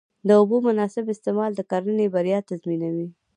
د اوبو مناسب استعمال د کرنې بریا تضمینوي.